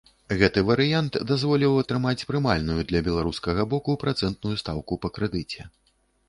Гэты варыянт дазволіў атрымаць прымальную для беларускага боку працэнтную стаўку па крэдыце.